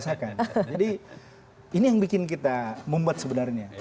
jadi ini yang bikin kita mumbat sebenarnya